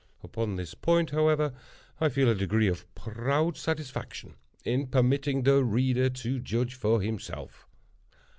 Upon this point, however, I feel a degree of proud satisfaction in permitting the reader to judge for himself.